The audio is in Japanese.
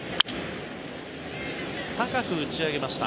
高く打ち上げました。